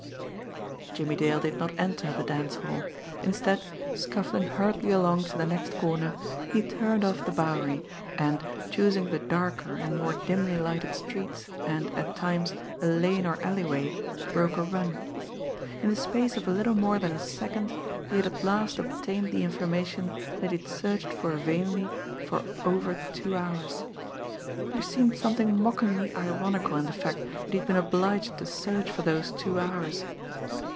Jimmie Dale did not enter the dance hall instead, scuffling hurriedly along to the next corner, he turned off the Bowery, and, choosing the darker and more dimly lighted streets and, at times, a lane or alleyway, broke a run. In the space of a little more than a second he had at last obtained the information that he had searched for vainly for over two hours. There seemed something mockingly ironical in the fact that he had been obliged to search for those two hours!